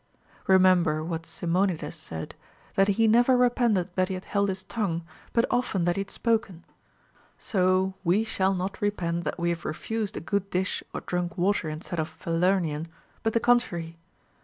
Remember what Simonides said, that he never repented that he had held his tongue, but often that he had spoken ; so Λve shall not repent that we have refused a good dish or drunk water instead of Falernian, but the contrary.